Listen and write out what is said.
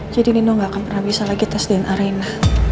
jadi nino gak akan pernah bisa lagi tes dna